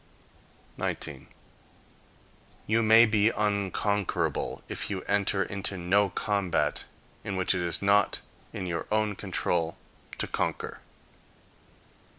19. You may be unconquerable, if you enter into no combat in which it is not in your own control to conquer.